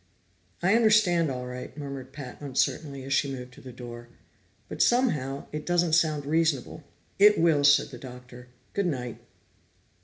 "I understand all right," murmured Pat uncertainly as she moved to the door. "But somehow, it doesn't sound reasonable." "It will," said the Doctor. "Good night."